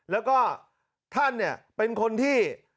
แล้วก็ท่านเป็นคนที่